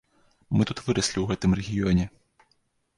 Мы тут выраслі ў гэтым рэгіёне.